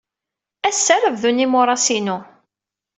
Ass-a ara bdun yimuras-inu.